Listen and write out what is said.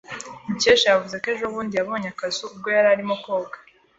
Mukesha yavuze ko ejobundi yabonye akazu ubwo yari arimo koga.